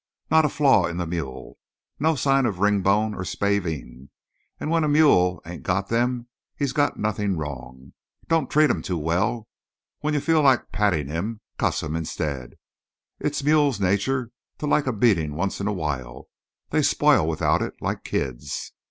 "Not a flaw in the mule; no sign of ringbone or spavin, and when a mule ain't got them, he's got nothin' wrong. Don't treat him too well. When you feel like pattin' him, cuss him instead. It's mule nature to like a beatin' once in a while; they spoil without it, like kids.